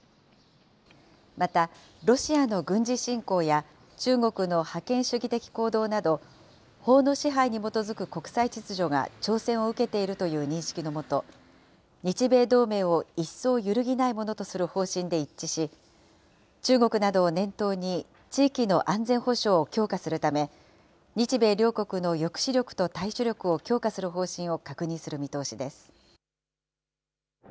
また、ロシアの軍事侵攻や、中国の覇権主義的行動など、法の支配に基づく国際秩序が挑戦を受けているという認識のもと、日米同盟を一層揺るぎないものとする方針で一致し、中国などを念頭に、地域の安全保障を強化するため、日米両国の抑止力と対処力を強化する方針を確認する見通しです。